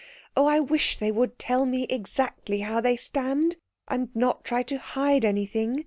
Oh, I wish they would tell me exactly how they stand, and not try to hide anything!